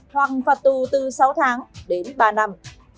hoặc phạt tù từ sáu tháng đến hai năm